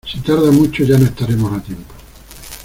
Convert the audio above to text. Si tarda mucho ya no estaremos a tiempo.